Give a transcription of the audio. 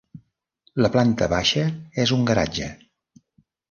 La planta baixa és un garatge.